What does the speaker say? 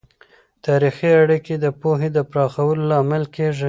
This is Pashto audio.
تاریخي اړیکه د پوهې د پراخولو لامل کیږي.